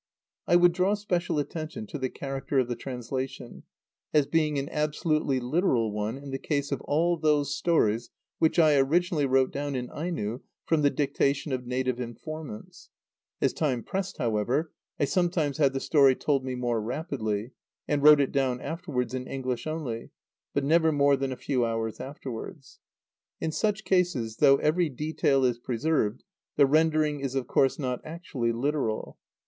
I would draw special attention to the character of the translation, as being an absolutely literal one in the case of all those stories which I originally wrote down in Aino from the dictation of native informants. As time pressed, however, I sometimes had the story told me more rapidly, and wrote it down afterwards in English only, but never more than a few hours afterwards. In such cases, though every detail is preserved, the rendering is of course not actually literal.